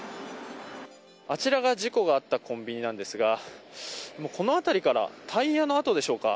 あちらが事故があったコンビニなんですがこの辺りからタイヤの跡でしょうか。